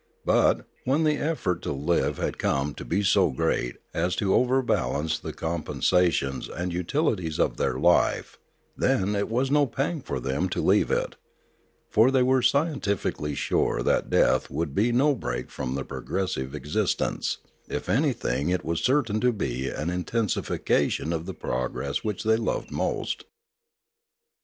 But, when the effort to live had come to be so great as to overbalance the compensations and utilities of their life, then was it no pang for them to leave it; for they were scientifically sure that death would be no break in their progressive existence; if anything, it was certain to be an intensification of the progress which they loved most.